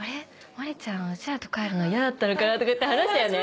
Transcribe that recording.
真里ちゃんうちらと帰るの嫌だったのかな」とか言って話したよね。